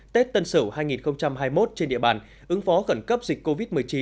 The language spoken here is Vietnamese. tết tân sửu hai nghìn hai mươi một trên địa bàn ứng phó khẩn cấp dịch covid một mươi chín